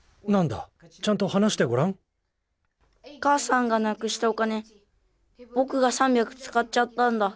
母さんがなくしたお金ぼくが３００つかっちゃったんだ。